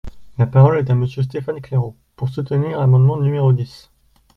La parole est à Monsieur Stéphane Claireaux, pour soutenir l’amendement numéro dix.